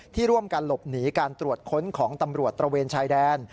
ที่ร่วมกันหลบหนีการตรวจค้นของตำรวจตระเวนชายแดน